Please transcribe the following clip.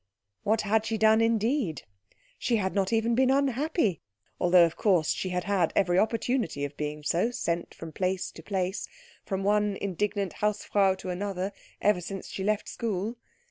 What had she done, indeed? She had not even been unhappy, although of course she had had every opportunity of being so, sent from place to place, from one indignant Hausfrau to another, ever since she left school.